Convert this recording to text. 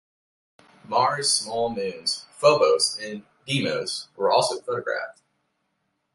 Mars' small moons, Phobos and Deimos, were also photographed.